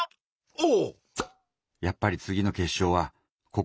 お！